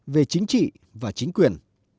về chính trị và chính quyền